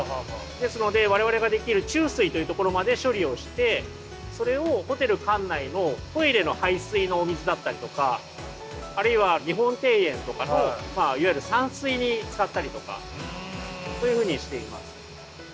ですので我々ができる中水というところまで処理をしてそれをホテル館内のトイレの排水のお水だったりとかあるいは日本庭園とかのいわゆる散水に使ったりとかそういうふうにしています。